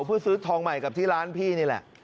เพื่อซื้อทองใหม่กับที่ร้านพี่นี่แหละ